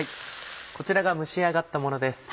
こちらが蒸し上がったものです。